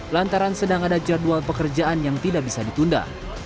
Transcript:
lantaran sedang ada jadwal pekerjaan yang tidak bisa ditunda